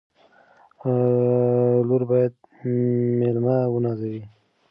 لور باید مېلمه ونازوي.